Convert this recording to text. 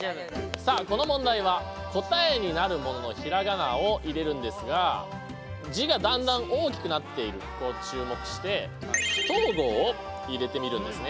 さあこの問題は答えになるものの平仮名を入れるんですが字がだんだん大きくなっているとこを注目して不等号を入れてみるんですね。